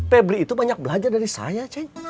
pebri itu banyak belajar dari saya